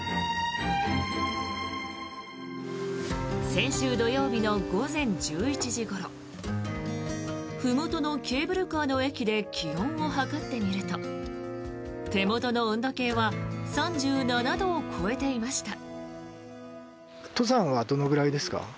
先週土曜日の午前１１時ごろふもとのケーブルカーの駅で気温を測ってみると手元の温度計は３７度を超えていました。